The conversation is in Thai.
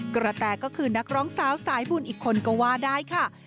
กระแตก็คือนักร้องสาวสายบุญอีกคนก็ว่าได้ค่ะ